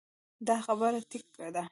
دا خبره ټيک ده -